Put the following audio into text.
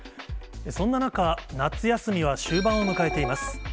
そんな中、夏休みは終盤を迎えています。